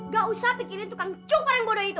gak usah pikirin tukang cukur yang bodoh itu